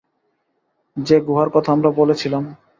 যে গুহার কথা আমরা বলেছিলাম?